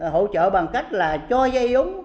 hỗ trợ bằng cách là cho dây giống